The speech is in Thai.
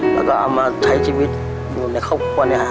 แล้วก็เอามาใช้ชีวิตอยู่ในครอบครัว